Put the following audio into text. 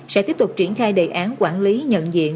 sẽ tiếp tục triển khai đề án quản lý nhận diện